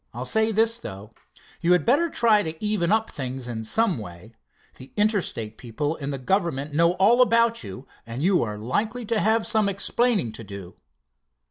I'll say this, though: You had better try to even up things in some way. The Interstate people and the government know all about you, and you are likely to have some explaining to do."